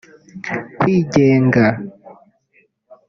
kwigenga